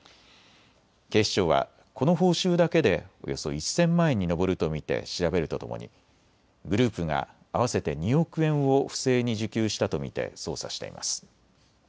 警視庁はこの報酬だけでおよそ１０００万円に上ると見て調べるとともにグループが合わせて２億円を不正に受給したと見て捜査しています。